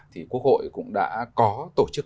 thì quốc hội cũng đã có tổ chức